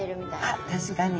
あっ確かに。